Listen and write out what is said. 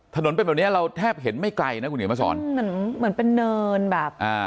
ถนนเป็นแบบเนี้ยเราแทบเห็นไม่ไกลนะคุณเห็นมาสอนเหมือนเหมือนเป็นเนินแบบอ่า